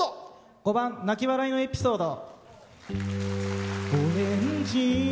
５番「泣き笑いのエピソード」。